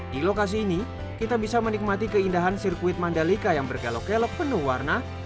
di lokasi ini kita bisa menikmati keindahan sirkuit mandalika yang berkelok kelok penuh warna